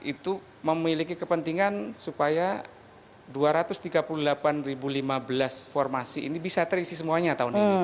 itu memiliki kepentingan supaya dua ratus tiga puluh delapan lima belas formasi ini bisa terisi semuanya tahun ini